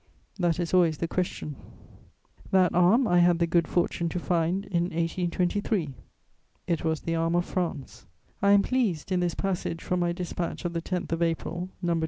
That is always the question." That arm I had the good fortune to find in 1823: it was the arm of France. I am pleased, in this passage from my dispatch of the 10th of April, No.